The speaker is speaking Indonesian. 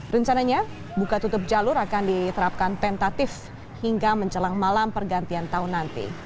rencananya buka tutup jalur akan diterapkan tentatif hingga menjelang malam pergantian tahun nanti